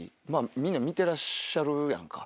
みんな見てらっしゃるやんか。